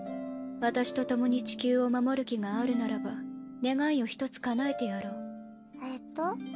私と共に地球を守る気があるならば願いを一つかなえてやろうえっと？